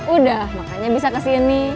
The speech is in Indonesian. udah makanya bisa kesini